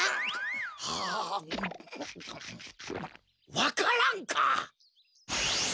わか蘭か！